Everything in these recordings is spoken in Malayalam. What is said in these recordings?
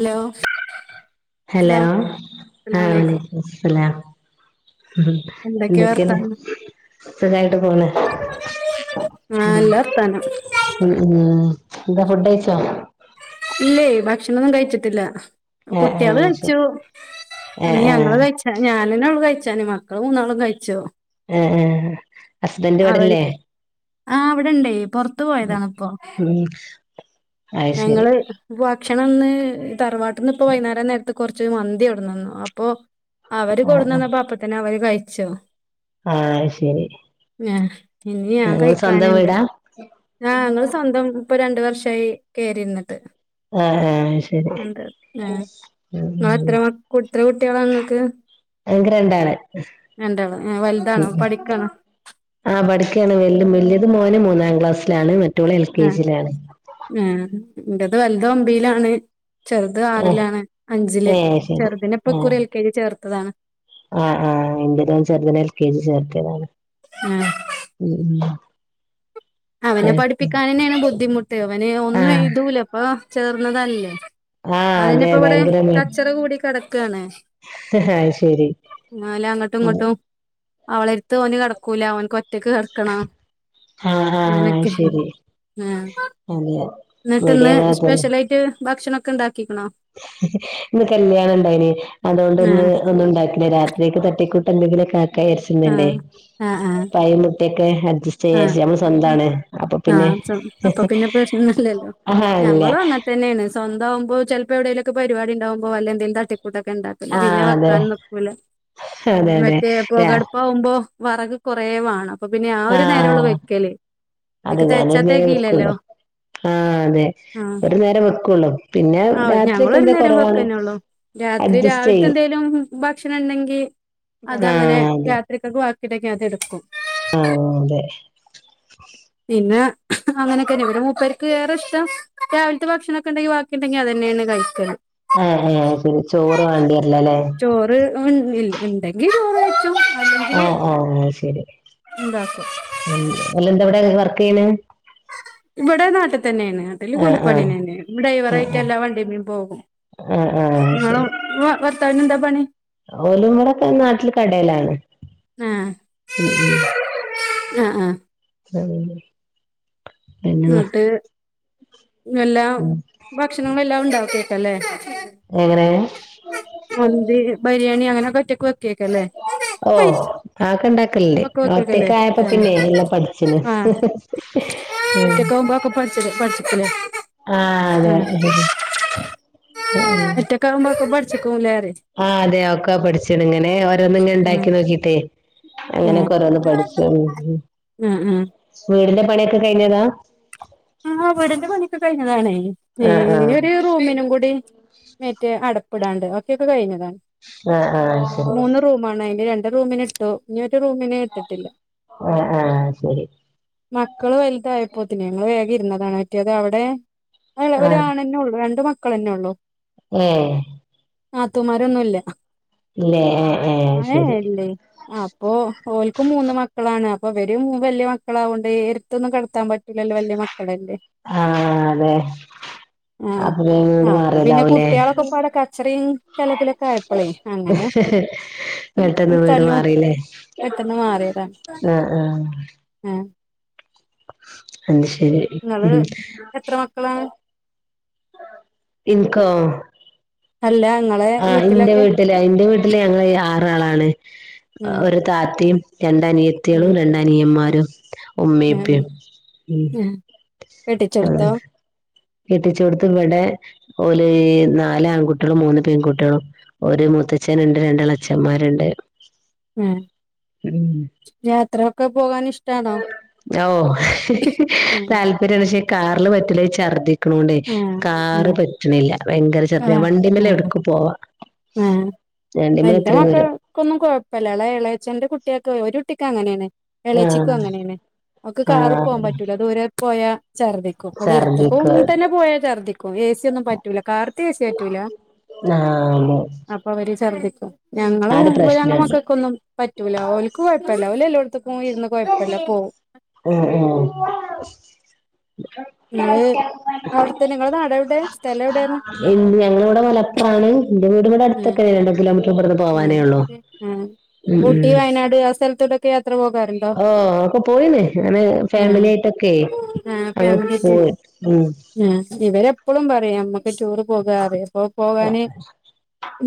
ഹലോ ഹലോ അസ്സലാമു ആഹ അസ്സലാമലൈക്കും വലൈക്കുമുസ്സലാം എന്തൊക്കെ എന്തെക്കെയുണ്ട് വർത്താനം സുഖ യിട്ട് പോണ് ആഹ് നല്ല വർത്താനം ഉ ഉ ഉ എന്താ ഫുഡ്ഴിച്ചോ ഇല്ലേ ഭക്ഷണൊന്നും കഴിച്ചിട്ടില്ല ആ ആ കുട്ടികള് ശരി കഴിച്ചു ആ നീ ആ ഞങ്ങള് കഴിച്ച ഞാനന്നെ കഴിക്കാൻ കഴിച്ച ന് മക്കള്മൂന്നാളും കഴിച്ചു ആ ആ ഹസ്ബൻറ് ഇവടെല്ലേ ആ അവിടെണ്ടേ പൊറത്തു പോയതണിപ്പൊ ഉം അത് ശരി ഞങ്ങള് ഭക്ഷണം ഒന്ന് തറവാട്ടിൽ നിന്ന് ഇപ്പ വൈകേരം നേരത്ത് കുറച്ച് മന്തി ഇവിടുന്നുന്നു അപ്പൊ അവര് ആ ആ കൊടുന്നന്ന അപ്പ തനെ അവര് കഴിച്ചു ആ ശരി ആ ഇനി ഞാൻ നിങ്ങള് സ്വന്തം കഴിക്കാനുണ്ട് വീടാ ആ ഞങ്ങള് സ്വന്തം ഇപ്പൊ രണ്ട്‌വർഷമായി കേയറിരുന്നിട്ട് ആ ആ ശരി എന്ത് ആ ഉം ഉം ഇങ്ങക്ക്എത്രത്ര കുട്ടികളാ ഇങ്ങക്ക് ഇങ്ങക്ക്‌രണ്ടാള് വലുതാണോ പഠിക്കാണോ ആ പഠിക്കാണ് വെല്ലയത്‌മോൻ മൂന്നാം ക്ലാ എഴാം ക്ലാസ്സിലാണ് മറ്റോള് എൽ കെ ജിയിലാണ് ഇറ്റത് വലുത് ഒമ്പിയിലാണ് ചെറുത് ആറിലാണ് അഞ്ചില് ഏ ഏ ശരി ചെറുതിനെപ്പൊ ആ ഇകുറി എൽ കെ ജി ചേർത്തതാണ് ആഹ് ആഹ എന്റത്ചേർ തിനെ എൽ കെ ജി ചേർത്തിതാണ് ആഹ് ഉ അവനെ പഠിപ്പിക്കൻ തന്നെയാണ് ബുദ്ധിമുട്ട് അവന് ഒന്നും ആഹ് എഴുതുല ഇപ്പൊ ചേർന്നതല്ലേ ആഹ് അതെ അതിനിപ്പോ ഇവിടെ ഭയങ്കര മ കച്ചറ കൂടി കിടക്കയാണ് അത് ശരി എന്നല്ല അങ്ങോട്ടും അതെ ഇങ്ങോട്ടും അവളെരുത്ത് അവന് കിടക്കൂല അവൻ ഒറ്റക്ക് കിടക്കണ ആഹ ശരി അതെ എന്നിട്ട് ഇന്ന് ഇവിടേം അങ്ങനെ തന്നെ സ്പെഷ്യല ആയിട്ട് ഭക്ഷണണം ഒക്കെ ഇണ്ടാക്കി ഇന്ന് കല്യാണം ഇണ്ടായിന് അതുകൊണ്ട് ഇന്ന് ആഹ് ഒന്നും ഉണ്ടാക്കില്ല രാത്രിക്ക് തട്ടി കുട്ടി എന്തെങ്കിലൊെക്കആക്കാ വിചാരിക്കുന്നുണ്ട് ആഹ് ആഹ് ആഹ് പഴംമുട്ടയൊക്കെ ഇഷ്ട വിചാരിച്ച നമ്മള് ആഹ് സ്വന്താണ് അപ്പൊ പിന്നെ ആഹ് സം അപ്പൊ പിന്നെ പ്രശ്നല്ലല്ലോ ആഹ് ഇല്ല ഞങ്ങളും അങ്ങനെ സ്വന്തക്കു മാകുമ്പോ ചിലപ്പോ എവിടേലൊക്കെ പരിപാടിണ്ടാമ്പോ അല്ല എന്തെങ്കില തട്ടി കൂട്ട് കൂട്ടൊക്കെ ഇണ്ടാക്കല് പിന്നെ ആഹ് അതെ വെക്കാൻ നിക്കൂല അതെ മറ്റേ അതെ പുകടുപ്പ ആവുമ്പോ വറക് കൊറേ വാണം അപ്പൊ പിന്നെ ആ ഒരു നേരം ഉള്ള വെക്കല് അത അയ്ക്ക് ഞാല തെകച്ചാ മേ തെകീലല്ലോ വെക്കുള്ളു ആഹ അതെ ആഹ് ഒരു നേരം വെക്കുള്ളു പിന്നെ ആഹ് രാത്രിൊക്കെ ഞങ്ങളൊരു എന്താ നേരം കുറവാണ് വെക്കന്നൊള്ളൂ രാത്രി അഡ്ജസ്റ്റ് രാവിലത്തെ ചെയ്യും എന്തേലും ഭക്ഷണം ഉണ്ടെങ്കിൽ അത അങ്ങനെ ആഹ് രാത്ക്കൊക്കെ കിടക്ക അത എടുക്കും ആഹ പിന്നെ അങ്ങനെയൊക്കെ ഇവര മൂപ്പ വേ ഇഷ്ടം രാവിലത്തെ ഭക്ഷണൊക്കെ ഉണ്ടെങ്കിൽ ബാക്കി ഉണ്ടെങ്കിൽ അത് തന്നെയാണ് കഴിക്കുന്നത് ആഹ ആഹ ശരി ചോറ് വേണ്ടിരലല്ലേ ഉണ്ടെങ്കിലും ന്ന്ച്ചോ ആഹ ആഹ ആ ശരി ഉണ്ടാക്കും അല്ല എന്ത എവിടെ വർക്ക് ചെയ്യണ് വടെ നാട്ടക തന്നെയാണ് അതില് ആഹ് കുലിപ്പണ ആഹ് ത തന്നെ ആഹ് ഡ്രൈവറായിട്ട് എല്ലാ വണ്ടിും പോകും ആഹ് ആഹ് ആഹ് നിങ്ങള ശരി വർത്താവിന എന്താ പണി ഓലും കടെൊക്കെ നാട്ടില് കടയിലാണ് ഉ ഉ ആ ആഹ ഉം പിന്നെ എന്നട്ട് എല്ലാം ഭക്ഷണങ്ങളെല്ലാം ഉണ്ടാക്കക്കല്ലേ എങ്ങനെ മുന്തി ബിരിയാണി അങ്ങനെ ക്കല്ല ഓ ആക്കെ ഇണ്ടാക്കലല്ലേ വെക്കേക്കല്ലേ ഒറ്റക്ക ആയപ്പ ആഹ് പിന്നെ എല്ലാ പഠിച്ചിന് ഇറ്റക്കെുമ്പൊക്കെ പഠ പഠിച്ചിക്കല ആഹ് അതെ ആ എറ്റക്കാവുമ്പ ആഹ് അതെ ഓക്കാ പഠിച്ചേണ ഇങ്ങനെ ഓരോന്നി ഇങ്ങ ഉം ഉണ്ടാക്കി നോക്കിട്ടേ അങ്ങനെ ഉം കൊറന്ന് പഠിച്ചു ഉം വീടിന്റെ പണിയൊക്കെ കഴിഞ്ഞതാ ഉം ആ വീടിന്റെ പണിയൊക്കെ കഴിഞ്ഞതാണേ ആ ഒരു റൂമിനും കൂടി മറ്റ്േ അടപ്പിടാണ്ട് ഒക്കെയൊക്കെ കഴിഞ്ഞതാണ് ആഹ ആഹ ശരി ഇ രണ്ടണ്ട് റൂമിനി ഇട്ടു ഇനിൊ ഒരു റൂമിനന് ഇട്ടിട്ടില്ല ആ ആ ശരി മക്കള് വലുതായി പൊതിനനങ്ങള്ൾ വേഗം ഇരുന്നതാണ് പറ്റിയത് അവിടെ ഒരാണെന്നെ ഉള്ളു രണ്ട് മക്കളന്നെ ഉള്ളു ആഹ ആഹ തമാരൊന്നുംല്ല ഇല്ലേ ആഹ ആഹ ആ ശരി അപ്പൊ ഓൾക്ക്ും മൂന്ന് മക്കളാണ് അപ്പൊ അവര് വലിയ മക്കളാവൊണ്ട് എരത്തൊന്നും കിടത്താൻ പറ്റില്ല വല്ല വല്ലെ ആഹ അതെ ആ അപ്പൊ വേഗം വീട് ആ അപ്പൊ പിന്നെ മാറിയതാവൂലേ കുട്ടികളൊക്കെ ഇപ്പടെ കച്ചറിയും കലപ്പിലൊക്കെ ആയപ്പോളെ അങ്ങനെ സഹ വെട്ടന്ന് വീട് തല്ലും മാറില്ലേ പെട്ടെന്ന് മാറിയതാണ് ആഹ ആഹ ആഹ് അത് ശരി നിങ്ങള് ഉ എത്ര മക്കളാ ഇനിക്ക് അല്ല ഇങ്ങളെ ആ എന്റെ വീട്ടിലൊക്കെ വീട്ടില് എന്റെ വീട്ടില് ഞങ്ങള് ആറാളാണ് ഉം ഒരു താത്തിയും ഉം രണ്ടനിയത്തിളും രണ്ടനിയന്മാരും ഉം ഉമ്മീഉപ്പേം ഉം കെട്ടിച്ചെടുത്തോ കെട്ടിച്ച കൊടുത്ത് ഇവിടെ ഒരു നാല് ആൺകുട്ടികളും മൂന്ന് പെൺകുട്ടികളും ഒരു മുത്തച്ഛൻ ഉണ്ട് രണ്ടളെച്ഛന്മാരുണ്ട് ഉം യാത്ര ഓ ഉം താല്പര്യണച്ച കാറില് പറ്റില ചർദി ണണ്ടേ ആഹ് കാറ് ആഹ് പറ്റണില്ല ഭയങ്കര ചർഞ്ഞ ആഹ് വണ്ടില്ല ആഹ് എവിടക്ക് പോവാ ആഹ് വണ്ടിമ്മേ എന്റെ എത്രയും ദൂരം മക്കൾക്കൊന്നും കൊഴപ്പല്ല, എളേച്ഛന്റെ കുട്ടിയാൾക്ക്, ഒരു കുട്ടിക്ക് അങ്ങനെയാണ് ആഹ് എളേച്ചിക്കും അങ്ങനെയാണ് ഓൾക്ക് കാറിൽ പോകാൻ ആഹ് പറ്റൂല ദൂരെ പോയാ ഛർദ്ദിക്കും ഇവിടെ എരുതിക്ക് ഛർദ്ദിക്കും അത് തന്നെ പോയാതന്നെ ഛർദ്ദിക്കും എ. സിയൊന്നും പറ്റൂല കാർത്തെ എ സി പറ്റൂല ആഹ് ആ ഒരു ഞങ്ങള പ്രശ്നണ്ട് മക്കൾക്കൊന്നും പറ്റൂല ഓല്ക്ക് കുഴപ്പല്ല ഓൽ എല്ലോടത്തുക്കും ആഹ് മം അത്, അവിടുത്തെന്ന നിങ്ങളെ നാടെവിടെ സ്ഥലവിടെയാണ് എ ഞങ്ങള ഇടെ മലപ്പുറാണ് എന്റെ വീടും വ്ടെ ഉം അടുത്താണ് രണ്ട് കിലോമീറ്റർ ഇവിടുന്ന് ഉം പോവാനേ ഉള്ളൂ ഊട്ടി വയനാട് ആ സ്ഥലത്തൊക്കെ ആ ഒക്കെ പോയിന് അങ്ങനെ ഉം ഫാമിലിയായിട്ടൊക്കെ അങ്ങട്ട് പോയി ഉം ആ ഇവരെപ്പഴും പറയും നമക് ടൂറ് പോകാ പറയും അപ്പൊ പോകാന്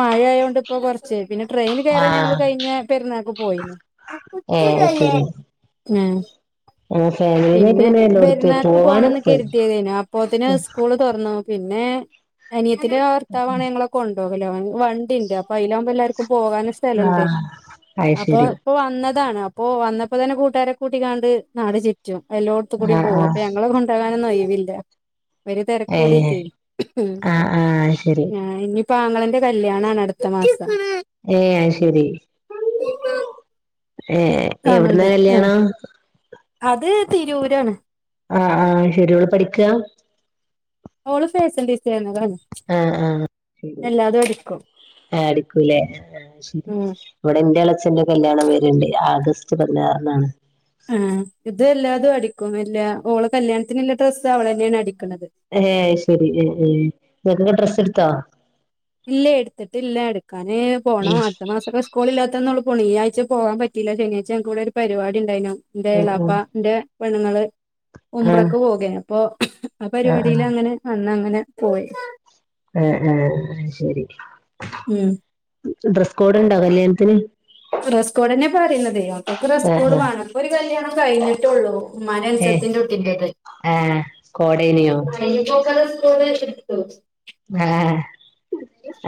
മഴആയോണ്ട് ഇപ്പോ കുറച്ച് പിന്നെ ട്രെയിന് കയറാൻ ഞങ്ങള് ആഹ് കഴിഞ്ഞ പെരുന്നാൾക്ക് പോയിന് ഏഹ് ല്ലേ ശരി ഉം [unintelligible] ഞങ്ങൾ ഫാമിലിയായിട്ട് പിന്നെ ഇങ്ങനെ എല്ലോടത്തും പെരുന്നാക്ക് പോണംന്ന് പോവാനൊക്കെ പോയി കരുതിയതേനു അപ്പോത്തിന് സ്കൂള് തുറന്നു പിന്നെ അനിയത്തിന്റെ ഭർത്താവാണ് ഞങ്ങളെ കൊണ്ടുപോകൽ വണ്ടിണ്ട് അ അയിലാകുമ്പോ എല്ലാവർക്കും പോകാന് സ്ഥലുണ്ട് ആഹ് അത് അപ്പൊ ശരി ഇപ്പൊ വന്നതാണ് അപ്പോ വന്നപ്പോ തന്നെ കൂട്ടാരെ കൂട്ടികാണ്ട് നാട് ചുറ്റും എല്ലാടത്തുകൂടീം ആഹ് പോകും ആഹ് അപ്പൊ ഞങ്ങളെ കൊണ്ട അയ്നൊന്നും ഒഴിവില്ല, ഇവർ തിരക്ക് ഏഹ് കൂടീട്ടെ, ഹ്ഹ്മ്മ്‌ ആഹ് ആഹ് അത് ശരി ഞാനിനി ഇപ്പോ ആങ്ങളന്റെ കല്യാണാണ്, അടുത്ത മാസം ഏ അയ്ശരി ഏർ എവിടുന്നാ ആങ്ങളുടെ ആ കല്യാണം മം അത് തിരൂരാണ് ആഹ് ആഹ് ശരി ഓള് പഠിക്കാ ഓള് ഫേസൽ ആഹ് എല്ലാതും ഒരിക്കും ആ അടിക്കൂലേ, ആ ശരി ഇവിടെ ന്റെ എളേച്ഛന്റെ കല്യാണം വെരുണ്ട് ആഗസ്റ്റ് കുറ കല്ന്നാണ് [unintelligible] ആഹ് ഇത് എല്ലാതും അടിക്കും എല്ലാ ഓള കല്യാണത്തിനുള്ള ഡ്രസ്സ് അവളെന്നെയാണ് അടിക്ക ഏഹ് ശരി ഏ ഏ ഇങ്ങക്കൊക്കെ ഡ്രസ്സ് എടുത്താ ഇല്ല എടുത്തിട്ടില്ല എടുക്കാന് പോണം അടുത്ത മാസൊക്കെ സ്കൂള് ഇല്ലാത്തന്ന് പോണം, ഈ ആഴ്ച പോവാൻ പറ്റില്ല ശനിയാഴ്ച നങ്ങക്കിവിടൊരു പരിപാടി ഉണ്ടായിനു എന്റെ ആഹ് എളാപ്പന്റെ പെണ്ണുങ്ങള് ആഹ് ആഹ് ഉംറക്ക് പോകയ്നു അപ്പൊ ആ ആഹ് പരിപാടിൽ അങ്ങനെ അന്ന് അങ്ങനെ പോയി ആഹ് ആഹ് ശരി ഉം ഡ്രസ് കോഡ് ഉണ്ടോ കല്യാണത്തിന് ഡ്രസ്സ്കോടെന്നെ പറയുന്നതേ ഇപ്പൊ ആഹ് ഡ്രസ്സ്‌കോഡ് ആഹ് വാണം ഇപ്പൊ ഒരു കല്യാണം കഴിഞ്ഞിട്ടുള്ളൂ ഉമ്മാന്റെ അനുജ ഏഹ് ത്തിന്റെ കുട്ടിന്റെത് ആഹ് കോഡേനിയോ [unintelligible] ആഹ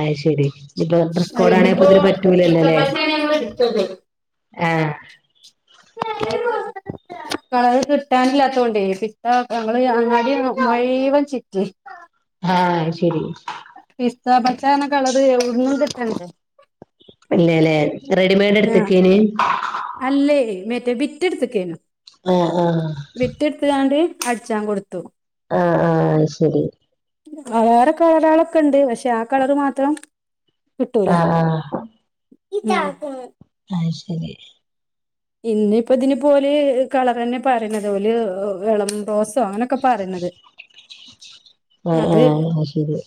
അയ്ശരി ഇപ്പൊ ഡ്രസ്കോഡാണെപ്പ അതിനിപ്പോ ഇതിന് പിത്ത പറ്റൂല്ലല്ലേ പശയാണ് ഞങ്ങൾ എടുത്തത് ആഹ് കളർ കിട്ടാനില്ലാതോണ്ട്, പിത്ത ഞങ്ങള് അങ്ങാടി മുഴ്വൻ ചിറ്റി ആഹ അയ്ശരി പിസ്ത പച്ചാന്ന് പറഞ്ഞ കളർ എവിടന്നും കിട്ടണ്ടേ അല്ലേല്ലേ റെഡിമെയഡ് ആഹ് എടുത്തിക്കയ്ന് അല്ലേ മറ്റേ വിറ്റെടുത്തക്കേനു, ആഹ് ആഹ് വിറ്റെടുത്താണ്ട് അടിച്ചാൻ കൊടുത്തു ആഹ ആഹ ശരി വേറെ കളറ ആളൊക്കെ ഉണ്ട് പക്ഷെ ആ കളർ മാത്രം കിട്ടൂരാ ആഹ് ആഹ് അത് ആഹ് ശരി ഇന്ന ഇപ്പോ ഇതിനെ പോലെ കളർ തന്നെ പറയണതപലെ ഇളം റോ അങ്ങനൊക്കെ പറയുന്നത് ആഹ് അത് ആഹ് ശരി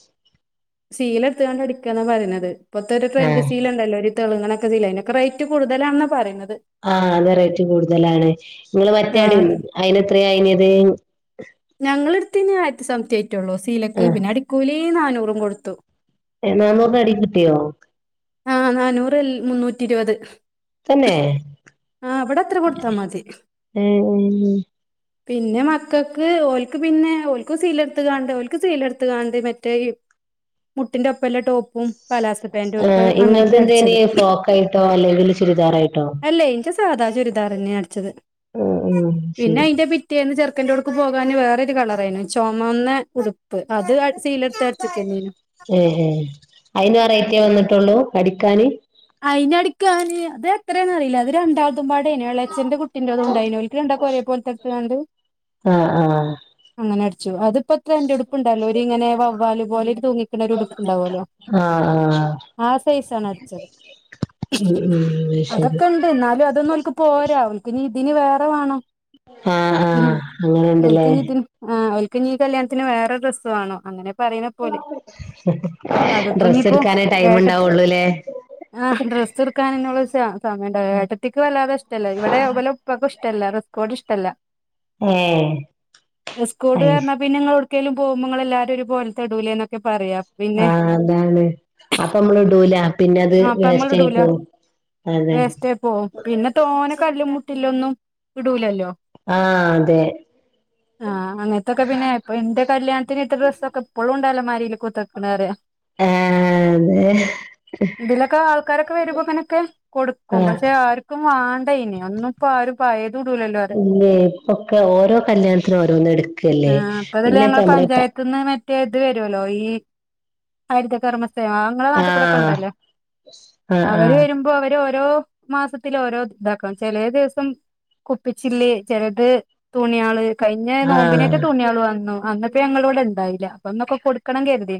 സീല എടുത്തൊണ്ട് അടിക്കുകന്നാ പറയുന്നത് ഇപ്പൊത്തെ ഒരു ടെയിന്റെ ആഹ് സീല ഉണ്ടല്ലോ ഒരു ഇങ്ങനെയൊക്കെ ചെയല്ല ഇതിനൊക്കെ റേറ്റ് കടുതലാണെന്നാ പറയുന്നത് ആ അത് റേറ്റ് കൂടുതലാണ് നിങ്ങള് മറ്റേട ആഹ് അയിന് എത്രയാ അയിന്ത് ഞങ്ങളെടുത്തന് ആയിരത്തെ സംമതി ആയിറ്റുള്ളൂ സീലക്ക് ആഹ് പിന്നെ അടിക്കൂലി നാനൂറും കൊടുത്തു എന്നന്ന് അടിക്കട്ടിയോ ആഹ് നാനൂറ് മുന്നൂറ്റി ഇരുപത് തന്നെ ആഹ് ഇവിടെ അത്ര കൊടുത്താ മതി ഉം ഉം പിന്നെ മക്കൾക്ക് ഓൽക്ക് പിന്നെ ഓക്ക് സീലെടുത്ത് കാണ്ട് ഓൽക്ക് സീലെടുത്ത് കണണ്ടേ മറ്റേ മുട്ടിന്റെ ഒപ്പല്ല ടോപ്പും പലാസ പാൻറും ഒപ്പും ഇങ്ങത്തെ എന്തന് ഫ്രോക്കായിട്ടോ അല്ലെങ്കിൽ ചുരിദാറായിട്ടോ സാദാ ചുരിദാർന്നെ അടിച്ചത് ആഹ് ആഹ് പിന്നെ ശരി അതിന്റെ പിറ്റേന്ന് ചെ ചക്കറടുക്ക് പോകാെ വേറൊരു കളർ ആയിരുന്നു ചുമന്ന ഉടുപ്പ് അത് സീൽ എടുത്ത് അടച്ചക്കും ഏ ഹ അയിന് അറിയത്തേ വന്നിട്ടുള്ളൂ അടിക്കാാന് അയിനടിക്കാന് അത് എത്രേന്ന് അറിയില്ല അത് രണ്ടാമത്തും പാടേനെളച്ഛന്റെ കുട്ട അുംണ്ടോിണ്ടാക്കോ ഒരേ പോലത്തൊണ്ട് ആഹ ആഹ അങ്ങ അടു അത്പ്പോ അത്ര എന്റെടുപ്പ്ണ്ടല്ലോ ഒരു ഇങ്ങനെ വവ്ല് പോല തൂങ്ങിക്കണരു ഉടുപ്പ ഉണ്ടാവല്ലോ ആഹ് ആഹ് ആ സൈസ ആണ് അടിച്ചത് ഉം ഉം അത് ശരി അതൊക്കെ ഉണ്ട് എന്നാലും അതൊന്നും അവക്ക് പോരാ അവക്ക്ിന ന് വേറെ വേണോ ആഹ് ആഹ് അങ്ങനെണ്ട്ല്ലേ ഉൽക്കന് ആ െ നീ കല്യാത്തിന് വേറെ ഡ്രസ്സ് വേണം അങ്ങനെ പറയുന്ന പോലെ അതിപ്പോ ഡ്രസ്സ് ഇനിപ്പോൊ എടുക്കാനേ ടൈം ഏട്ടത്ത് ഉണ്ടാവുള്ളൂല്ലേ ആ ഡ്രസ്സ് എറക്കാാന എന്നുള്ള സമയ ഉണ്ട ഏത്തേക്ക് വല്ലാതെ ഇഷ്ടല്ലേ ഇവിടെപല ഇഷ ഏ ോഡ് അയ് ഇ്ടല്ലോ്ാ ഒരിക്കലും പോുമ്പോൾ എല്ലാരും പോലത്തെ ഇടൂല എന്നൊക്കെ പറയാം ആഹ അതാണ് അപ്പൊ നമ്മള് ഇടൂല പിന്നെ അത് ആ അപ്പ നമ്മൾ വേസ്റ്റ് ആയി ഇടൂല പോവും അതെ വേസ്റ്റ് പോും പിന്നെ തോനെ കല്ലും വട്ടിലൊന്നും ഇടൂലല്ലോ ആഹ അതെ ആഹ അങ്ങനത്തൊക്കെ പിന്നെ ഇപ്പ എന്റെ കല്യാണത്തിന് ഇത്ര രസംൊക്കെ എപ്പോഴും ലമാരിയില് കുത്തക്കണര് ആ അതെ ഇതിലൊക്കെ ആൾക്കാരൊക്കെ വരുമ്പോൾ അങ്ങനെയൊക്കെ ആ കൊടുക്കും പക്ഷെ ആർക്കും പാണ്ടയിന അന്ന ഇപ്പ ആ ഒരു പയ ഇല്ലേ ഇപ്പൊക്കെ ഓരോ കല്യാണത്തിനും ഓരോന്ന്ും എടുക്കല്ലേ പിന്നെ ഇപ്പ നമ്മടെ ഇപ്പ ന്ന് മറ്റേ ഇത് വരുല്ലോ ഈ ഹരിതകർമ്മസേവ അെ ആ നാട്ടിൽൂടെ ആ ആ [unintelligible] ഓരോ മാസത്തില ഓരോ ഇതാക്കും ചില ദിവസം കുപ്പിച്ചില്ലേ ജലത് തുണിയള് കഴിഞ്ഞ ആ നോമ്പിനേറ്റ തുണിയികള് വന്നു അന്നിപ്പ ഞങ്ങള ഇവിടെ ഉണ്ടായില്ല അപ്പന്നൊക്കെ കൊടുക്കണം കരുതിീ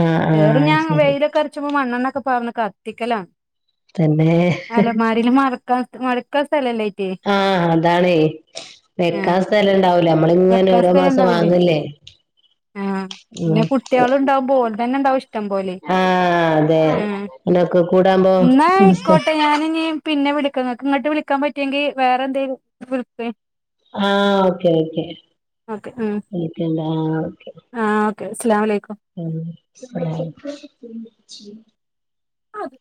ആ ആ വഏറ ഞാൻ ശരി വെയിലൊക്കെ അരച്ച്പോ മണ്ണെണ്ണൊക്കെ പോന്ന് കത്തിക്കലാണ് തന്നെ അലമാരിൽ മഴക്ക മഴക്ക ആഹ അതാാണ്േ ആഹ് വെക്കാൻ സ്ഥലംുണ്ടാവൂല നമ്മളിങ്ങനെ ഓരോ മാസം വാങ്ങില്ലേ ആ പിന്നെ കുട്ടികള് ഇണ്ടാവുപോ ഓര് തന്നെ ഇണ്ടാവും ഇഷ്ടം പോലെ ആഹ് അതെ ഉം അങ്ങനൊക്കെ കൂടാകുമ്പോ എന്നാ ആയിക്കോട്ടെ ഞാനിനി പിന്നെ വിളി നിങ്ങക്ക് ഇങ്ങോട്ട് വിളിക്കാൻ പറ്റിയെങ്കിൽ വേറെ എന്തെലും വിളിക്കുവേ ആ ഓക്കെ ഓക്കെ ഓക്കെ ഉം വിളിക്കണ്ടാ ആഹ് ഓക്കെ അസ്സലാമു അലൈക്കും ഉം ആ ആത്